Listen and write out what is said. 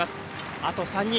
あと３人。